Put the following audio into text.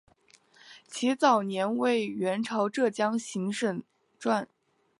其早年为元朝浙江行省掾。